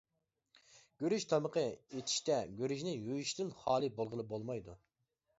گۈرۈچ تامىقى ئېتىشتە گۈرۈچنى يۇيۇشتىن خالىي بولغىلى بولمايدۇ.